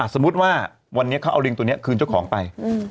สมมุติว่าวันนี้เขาเอาลิงตัวนี้คืนเจ้าของไป